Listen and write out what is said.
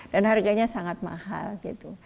dan harganya sangat mahal gitu